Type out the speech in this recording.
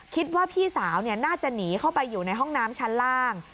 คิดว่าพี่สาวน่าจะหนีเข้าไปอยู่ในห้องน้ำชั้นล่าง